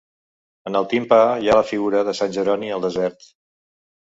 En el timpà hi ha la figura de sant Jeroni al desert.